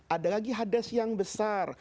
ada lagi hadas yang besar